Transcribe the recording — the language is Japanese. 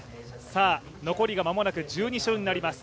残りが間もなく１２周になります。